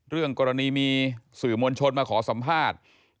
เรื่องกรณีมีสื่อมวลชนมาขอสัมภาษณ์